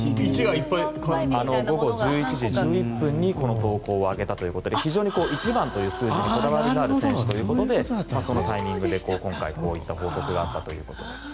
１１時１１分にこの投稿を上げたということで一番という数字にこだわりがある選手ということでそのタイミングで今回こういった報告があったということです。